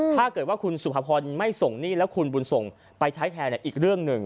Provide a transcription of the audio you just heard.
ถ้าเกิดว่าคุณสุภพรไม่ส่งหนี้แล้วคุณบุญส่งไปใช้แทนอีกเรื่องหนึ่ง